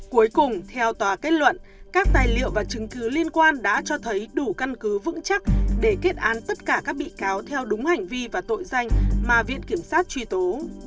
cuối cùng theo tòa kết luận các tài liệu và chứng cứ liên quan đã cho thấy đủ căn cứ vững chắc để kết án tất cả các bị cáo theo đúng hành vi và tội danh mà viện kiểm sát truy tố